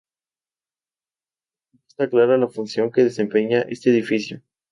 No está clara la función que desempeñaba este edificio.